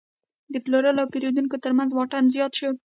د پلورونکو او پیرودونکو ترمنځ واټن زیات شو.